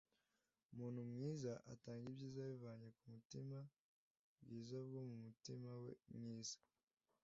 umuntu mwiza atanga ibyiza abivanye mu butunzi bwiza bwo mu mutima we mwiza